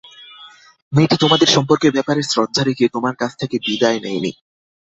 মেয়েটি তোমাদের সম্পর্কের ব্যাপারে শ্রদ্ধা রেখে তোমার কাছ থেকে বিদায় নেয়নি।